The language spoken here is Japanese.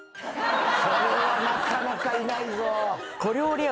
それはなかなかいないぞ。